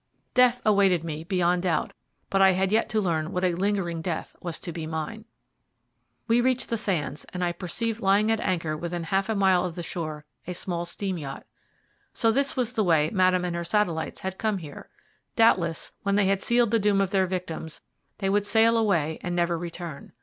Death awaited me beyond doubt, but I had yet to learn what a lingering death was to be mine. We reached the sands, and I perceived lying at anchor within half a mile of the shore a small steam yacht. So this was the way Madame and her satellites had come here. Doubtless, when they had sealed the doom of their victims, they would sail away and never return.